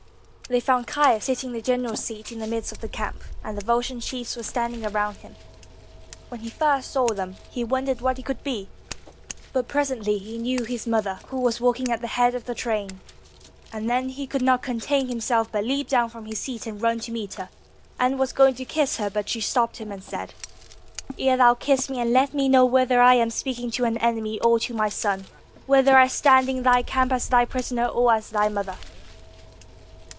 They found Caius sitting on the general's seat in the midst of the camp, and the Volscian chiefs were standing 304 WHEN CORIOLANUS SPARED ROME round him. When he first saw them he wondered what it could be ; but presently he knew his mother, who was walking at the head of the train ; and then he could not contain himself, but leaped down from his seat, and ran to meet her, and was going to kiss her. But she stopped him and said, Ere thou kiss me, let me know whether I am speaking to an enemy or to my son ; whether I stand in thy camp as thy prisoner or as thy mother."